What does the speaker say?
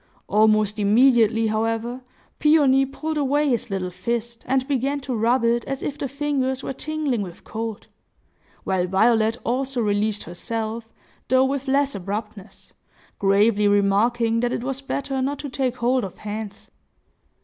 Almost immediately, however, Peony pulled away his little fist, and began to rub it as if the fingers were tingling with cold; while Violet also released herself, though with less abruptness, gravely remarking that it was better not to take hold of hands.